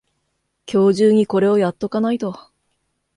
今日中にこれをやっとかないと